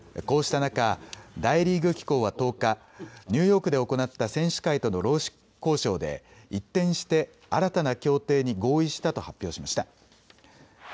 こうした中、大リーグ機構は１０日、ニューヨークで行った選手会との労使交渉で一転して新たな協定に合意したと発表しました。